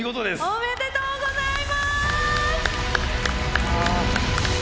おめでとうございます！